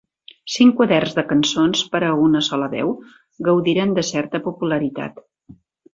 Cinc quaderns de cançons per a una sola veu gaudiren de certa popularitat.